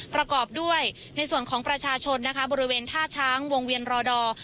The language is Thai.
ประกอบด้วยในส่วนของประชาชนนะคะบริเวณท่าช้างวงเวียนรอดอร์